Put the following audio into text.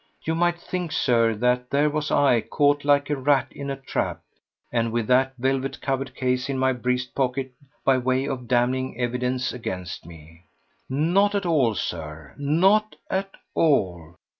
You might think, Sir, that here was I caught like a rat in a trap, and with that velvet covered case in my breast pocket by way of damning evidence against me! Not at all, Sir! Not at all!